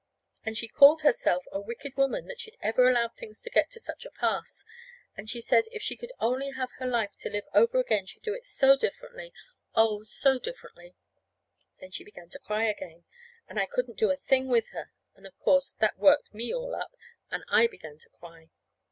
And she called herself a wicked woman that she'd ever allowed things to get to such a pass. And she said if she could only have her life to live over again she'd do so differently oh, so differently. Then she began to cry again, and I couldn't do a thing with her; and of course, that worked me all up and I began to cry.